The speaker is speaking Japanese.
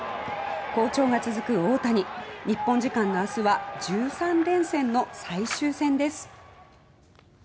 好調が続く大谷日本時間の明日は１３連戦の最終戦です。